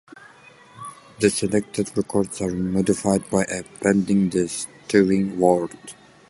The selected records are modified by appending the string World!